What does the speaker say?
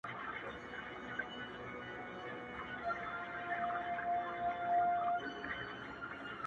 چي تا په گلابي سترگو پرهار پکي جوړ کړ ـ